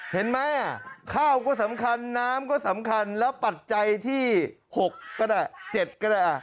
เห็นไหมข้าวก็สำคัญน้ำก็สำคัญแล้วปัจจัยที่๖ก็ได้๗ก็ได้